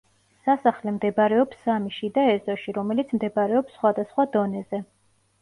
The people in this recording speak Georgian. სასახლე მდებარეობს სამი შიდა ეზოში, რომელიც მდებარეობს სხვადასხვა დონეზე.